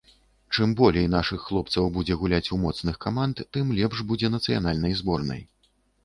Чым болей нашых хлопцаў будзе гуляць у моцных каманд, тым лепш будзе нацыянальнай зборнай.